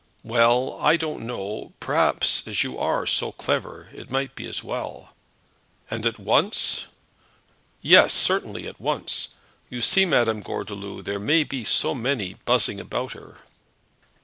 "Well; I don't know. Perhaps as you are so clever, it might be as well." "And at once?" "Yes, certainly; at once. You see, Madame Gordeloup, there may be so many buzzing about her."